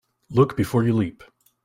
Look before you leap.